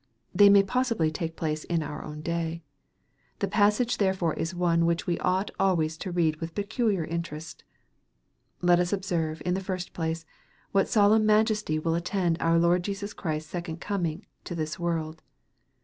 They may possibly take place in our own day. The passage therefore is one which we ought always to read with peculiar interest. Let us observe, in the first place, what solemn majesty will attend our Lord Jesus Christ's second coming to this world.